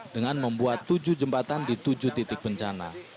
dengan membuat tujuh jembatan di tujuh titik bencana